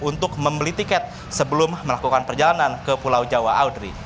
untuk membeli tiket sebelum melakukan perjalanan ke pulau jawa audrey